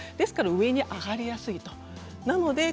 上に上がりやすいですね。